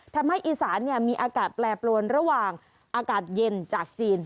ทำให้อีสานมีอากาศแปรปรวนระหว่างอากาศเย็นจากจีน